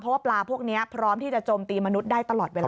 เพราะว่าปลาพวกนี้พร้อมที่จะโจมตีมนุษย์ได้ตลอดเวลา